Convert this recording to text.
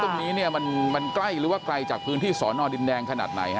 ตรงนี้เนี่ยมันใกล้หรือว่าไกลจากพื้นที่สอนอดินแดงขนาดไหนฮะ